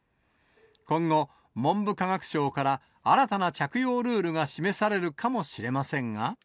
今後、文部科学省から新たな着用ルールが示されるかもしれませんが。